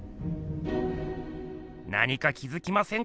何か気づきませんか？